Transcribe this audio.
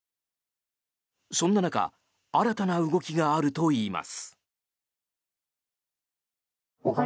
そんな中新たな動きがあるといいます。